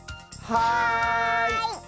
はい！